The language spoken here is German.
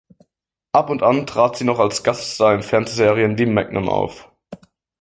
Ab und an trat sie noch als Gaststar in Fernsehserien wie "Magnum" auf.